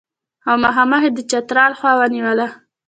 او مخامخ یې د چترال خوا ونیوله.